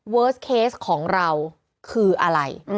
เวิร์สเคสของเราคืออะไร